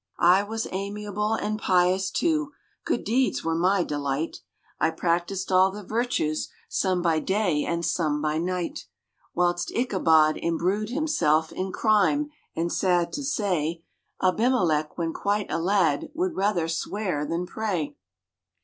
I was amiable, and pious, too good deeds were my delight, I practised all the virtues some by day and some by night; Whilst Ichabod imbrued himself in crime, and, sad to say, Abimelech, when quite a lad, would rather swear than pray.